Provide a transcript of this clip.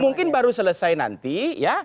mungkin baru selesai nanti ya